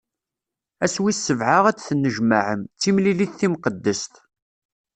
Ass wis sebɛa ad d-tennejmaɛem, d timlilit timqeddest.